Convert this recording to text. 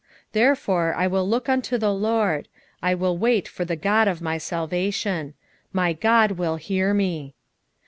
7:7 Therefore I will look unto the LORD; I will wait for the God of my salvation: my God will hear me.